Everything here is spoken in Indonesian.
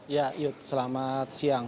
ya yuk selamat siang